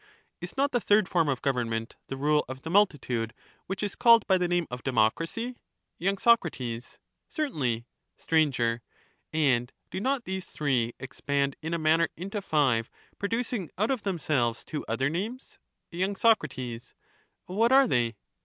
Is not the third form of government the rule of the ^^^J^* multitude, which is called by the name of democracy? cracy; y. Soc. Certainly. these ex Str. And do not these three expand in a manner into five, fi^byVe producing out of themselves two other names ? division of y. Soc. What are they?